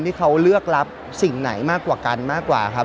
ที่เขาเลือกรับสิ่งไหนมากกว่ากันมากกว่าครับ